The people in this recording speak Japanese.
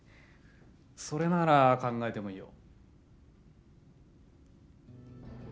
それなら考えてもいいよ。